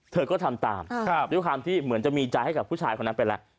เธอก็ทำตามด้วยความที่เหมือนจะมีใจให้กับผู้ชายคนนั้นไปแล้ว